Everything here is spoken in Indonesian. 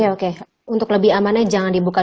oke untuk lebih amannya jangan dibuka